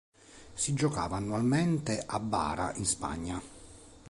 Si giocava annualmente a Bara in Spagna.